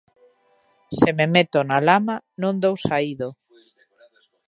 Se me meto na lama non dou saído.